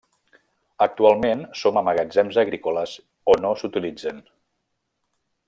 Actualment som a magatzems agrícoles o no s'utilitzen.